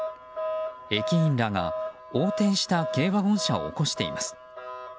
駅員らが横転した軽ワゴン車を起こしています。